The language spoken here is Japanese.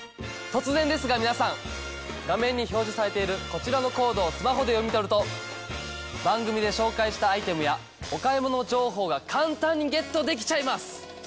突然ですが皆さん画面に表示されているこちらのコードをスマホで読み取ると番組で紹介したアイテムやお買い物情報が簡単にゲットできちゃいます！